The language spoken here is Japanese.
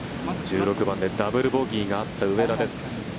１６番でダブルボギーがあった上田です。